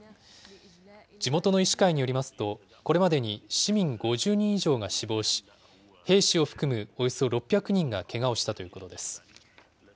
地元の医師会によりますと、これまでに市民５０人以上が死亡し、兵士を含むおよそ６００人がけがをしたということです。